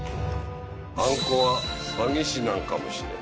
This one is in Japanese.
あん子は詐欺師なんかもしれん。